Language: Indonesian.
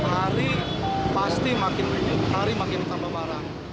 kegiat gabungan gabungan di kecamatan tanah abang